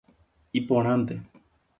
Iporãnte.